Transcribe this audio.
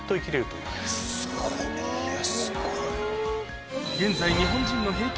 すごい。